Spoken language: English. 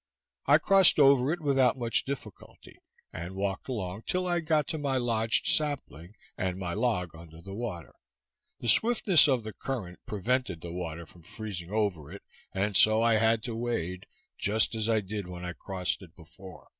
I crossed over it without much difficulty, and worked along till I got to my lodged sapling, and my log under the water. The swiftness of the current prevented the water from freezing over it, and so I had to wade, just as I did when I crossed it before.